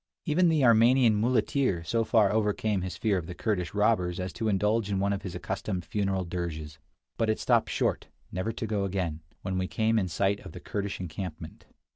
Even the Armenian muleteer so far overcame his fear of the Kurdish robbers as to indulge in one of his accustomed funeral dirges; but it stopped short, never to go again, when we came in sight of the Kurdish encampment.